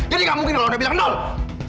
jadi gak mungkin kalau anda bilang